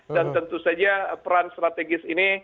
tentu saja peran strategis ini